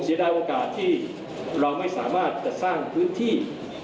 เสียดายโอกาสที่เราไม่สามารถจะสร้างพื้นที่